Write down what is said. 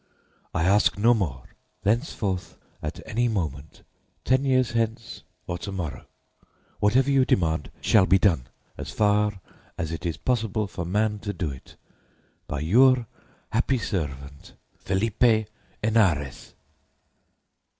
I ask no more; thenceforth, at any moment, ten years hence or to morrow, whatever you demand shall be done, so far as it is possible for man to do it, by your happy servant, "FELIPE HENAREZ."